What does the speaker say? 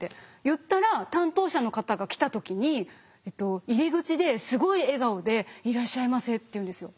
言ったら担当者の方が来た時に入り口ですごい笑顔で「いらっしゃいませ」って言うんですよ。